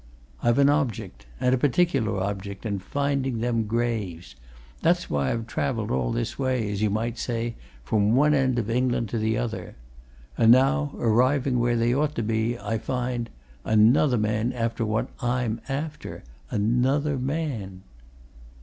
I've an object and a particular object! in finding them graves. That's why I've travelled all this way as you might say, from one end of England to the other. And now, arriving where they ought to be, I find another man after what I'm after! Another man!"